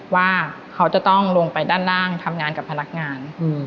ว่าเขาจะต้องลงไปด้านล่างทำงานกับพนักงาน